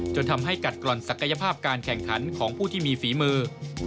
จนทำให้กัดกร่อนศักยภาพการแข่งขันของผู้ที่มีฝีมือ